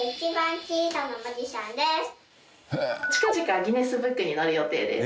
近々ギネスブックに載る予定です。